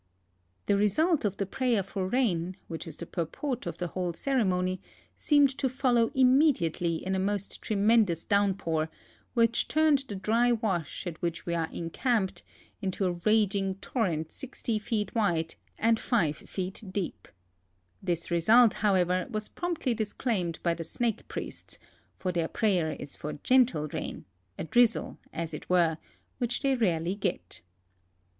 The result of the prayer for rain, which is the purport of the whole ceremony, seemed to follow immediately in a most tremen dous downpour, which turned the dry wash at which we are en camped into a raging torrent 60 feet wide and 5 feet deep. This result, however, was promptly disclaimed by the snake i)riests, for their prayer is for gentle rain — a drizzle, as it were — which they rarely get.